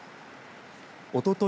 おととい